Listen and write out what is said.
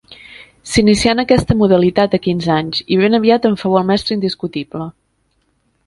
S'inicià en aquesta modalitat a quinze anys, i ben aviat en fou el mestre indiscutible.